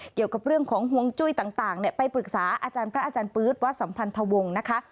เกี่ยวกับเรื่องของห่วงจุ้ยต่างไปปรึกษาอาจารย์พระอาจารย์ปื๊ดวัดสัมพันธวงศ์นะคะ